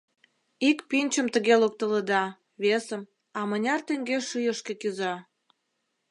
Ик пӱнчым тыге локтылыда, весым, а мыняр теҥге шӱйышкӧ кӱза?!